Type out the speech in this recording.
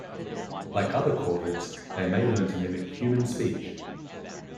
Like other corvids, they may learn to mimic human speech.